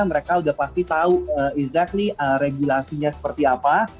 mereka sudah pasti tahu exactly regulasinya seperti apa